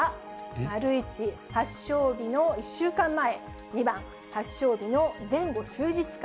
丸１、発症日の１週間前、２番、発症日の前後数日間。